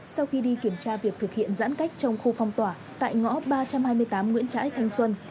sau khi đi kiểm tra việc thực hiện giãn cách trong khu phong tỏa tại ngõ ba trăm hai mươi tám nguyễn trãi thanh xuân